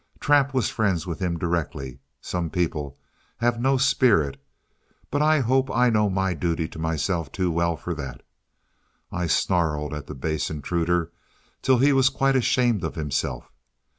Trap was friends with him directly some people have no spirit but I hope I know my duty to myself too well for that. I snarled at the base intruder till he was quite ashamed of himself.